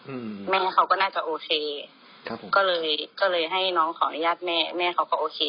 อืมแม่เขาก็น่าจะโอเคครับก็เลยก็เลยให้น้องขออนุญาตแม่แม่เขาก็โอเค